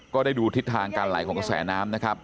ได้ดูทิศทางการไหลของกระแสน้ำนะครับ